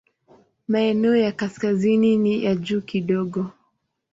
Maeneo ya kaskazini ni ya juu kidogo.